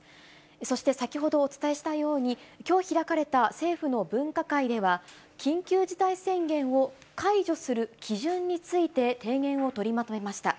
そして先ほどお伝えしたように、きょう開かれた政府の分科会では、緊急事態宣言を解除する基準について、提言を取りまとめました。